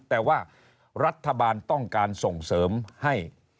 แต่ว่ารัฐบาลต้องการส่งเสริมให้